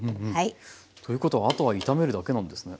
ということはあとは炒めるだけなんですね。